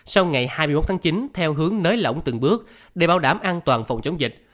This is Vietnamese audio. sau ngày hai mươi một tháng chín theo hướng nới lỏng từng bước để bảo đảm an toàn phòng chống dịch